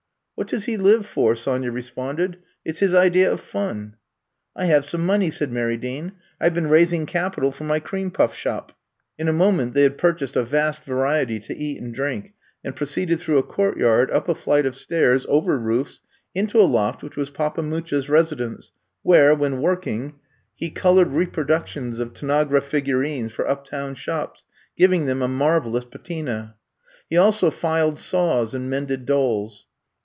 What does he live fori" Sonya re sponded. '* It 's his idea of fun. '' I have some money," said Mary Dean. *'I 've been raising capital for my cream puff shop. '' 32 I'VE COMB TO STAY In a moment they had purchased a vast variety to eat and drink^ and proceeded through a court yard, up a flight of stairs, over roofs, into a loft which was Papa Mucha's residence where, when working, he colored reproductions of tanagra figurines for uptown shops, giving them a marvelous patina. He also filed saws and mended dolls.